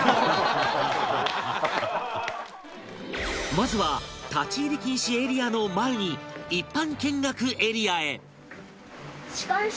まずは立ち入り禁止エリアの前に一般見学エリアへ